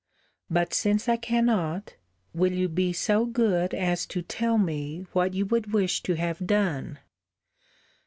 But since I cannot, will you be so good as to tell me what you would wish to have done?